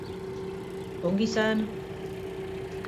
Ongi izan.